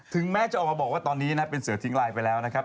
แม้จะออกมาบอกว่าตอนนี้นะเป็นเสือทิ้งลายไปแล้วนะครับ